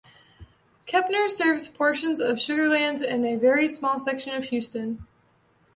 Kempner serves portions of Sugar Land and a very small section of Houston.